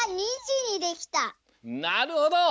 なるほど！